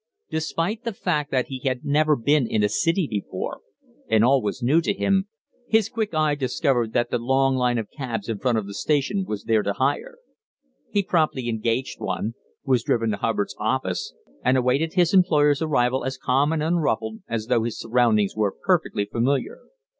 Despite the fact that he had never been in a city before, and all was new to him, his quick eye discovered that the long line of cabs in front of the station were there to hire. He promptly engaged one, was driven to Hubbard's office and awaited his employer's arrival as calm and unruffled as though his surroundings were perfectly familiar.